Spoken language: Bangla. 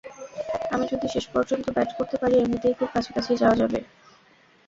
আমি যদি শেষ পর্যন্ত ব্যাট করতে পারি, এমনিতেই খুব কাছাকাছি যাওয়া যাবে।